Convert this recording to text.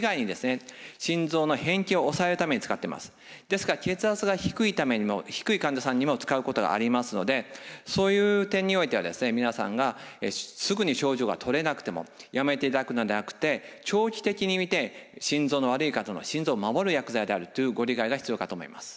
ですから血圧が低い患者さんにも使うことがありますのでそういう点においては皆さんがすぐに症状がとれなくてもやめていただくのではなくて長期的に見て心臓の悪い方の心臓を守る薬剤であるというご理解が必要かと思います。